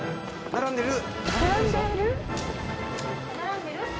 並んでる？